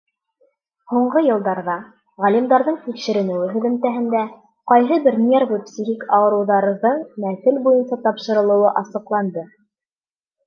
Һуңғы йылдарҙа, ғалимдарҙың тикшеренеүе һөҙөмтәһендә, ҡайһы бер нервы-психик ауырыуҙарҙың нәҫел буйынса тапшырылыуы асыҡланды.